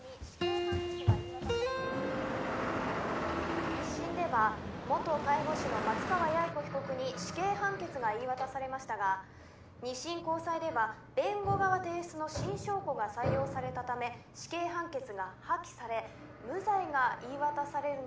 「一審では元介護士の松川八重子被告に死刑判決が言い渡されましたが二審高裁では弁護側提出の新証拠が採用されたため死刑判決が破棄され無罪が言い渡されるのではないかとの予測もあります」